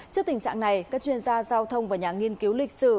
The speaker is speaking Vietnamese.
trước tình trạng này các chuyên gia giao thông và nhà nghiên cứu lịch sử